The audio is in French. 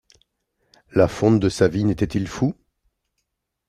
La Font de Savines était-il fou?